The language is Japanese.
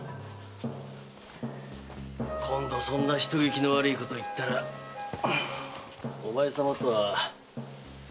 今度そんな人聞きの悪いことを言ったらお前様とは取り引きをやめますよ。